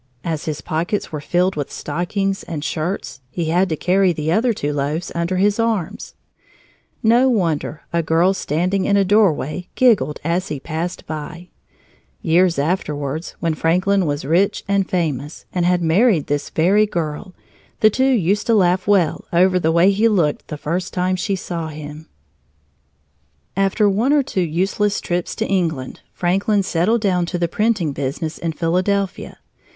As his pockets were filled with stockings and shirts, he had to carry the other two loaves under his arms. No wonder a girl standing in a doorway giggled as he passed by! Years afterwards, when Franklin was rich and famous, and had married this very girl, the two used to laugh well over the way he looked the first time she saw him. [Illustration: He began munching one of these as he went back into the street. Page 41.] After one or two useless trips to England, Franklin settled down to the printing business in Philadelphia.